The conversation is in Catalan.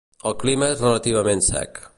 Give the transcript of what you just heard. El clima és relativament sec.